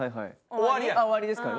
終わりですからね